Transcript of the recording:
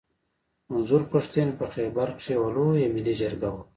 منظور پښتين په خېبر کښي يوه لويه ملي جرګه وکړه.